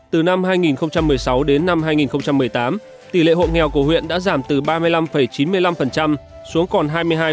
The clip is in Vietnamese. từ năm hai nghìn một mươi sáu đến năm hai nghìn một mươi tám tỷ lệ hộ nghèo của huyện đã giảm từ ba mươi năm chín mươi năm xuống còn hai mươi hai